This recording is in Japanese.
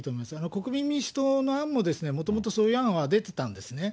国民民主党の案も、もともとそういう案は出てたんですね。